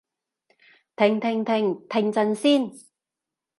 停停停！停陣先